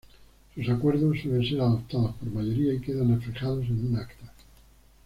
Sus acuerdos suelen ser adoptados por mayoría y quedan reflejados en un Acta.